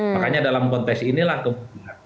makanya dalam konteks inilah kemudian